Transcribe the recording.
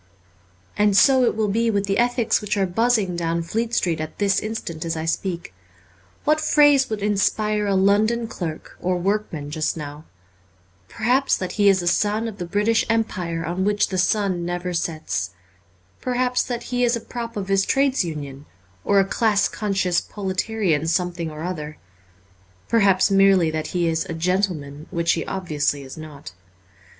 And so it will be with the ethics which are buzzing down Fleet Street at this instant as I speak. What phrase would inspire a London clerk or workman just now ? Perhaps that he is a son of the British Empire on which the sun never sets ; perhaps that he is a prop of his Trades Union, or a class conscious proletarian something or other ; perhaps merely that he is a gentleman, when he obviously is not.